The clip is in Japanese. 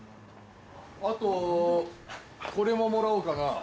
あとこれももらおうかな。